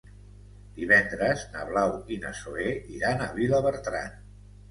Divendres na Blau i na Zoè iran a Vilabertran.